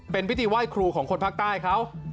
เป็นพิธีไหว้ครูของคนภาคใต้เขา